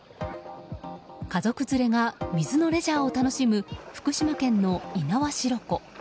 家族連れが水のレジャーを楽しむ福島県の猪苗代湖。